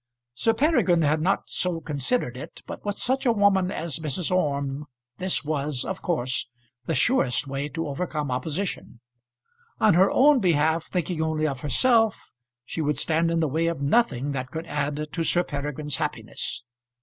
Sir Peregrine had not so considered it, but with such a woman as Mrs. Orme this was, of course, the surest way to overcome opposition. On her own behalf, thinking only of herself, she would stand in the way of nothing that could add to Sir Peregrine's happiness.